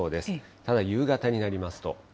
ただ夕方になりますと。